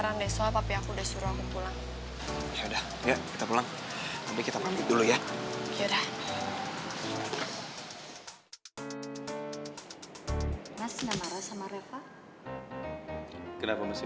ada di bagasi